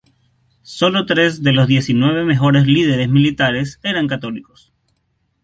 Solo tres de los diecinueve mejores líderes militares eran católicos.